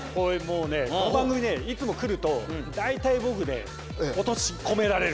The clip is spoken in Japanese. この番組ねいつも来ると大体僕ね落とし込められる。